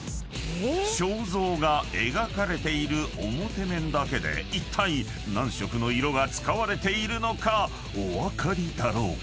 ［肖像が描かれている表面だけでいったい何色の色が使われているのかお分かりだろうか？］